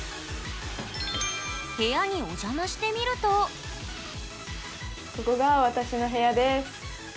部屋にお邪魔してみるとここが私の部屋です。